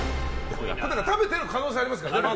食べてる可能性ありますからね。